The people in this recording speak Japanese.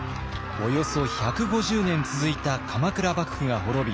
およそ１５０年続いた鎌倉幕府が滅び